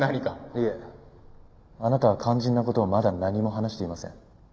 いえあなたは肝心な事をまだ何も話していません。